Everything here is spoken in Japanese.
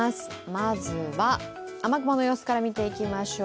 まずは雨雲の様子から見ていきましょう。